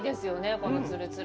このツルツル。